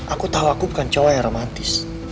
aku tahu aku bukan cowok yang romantis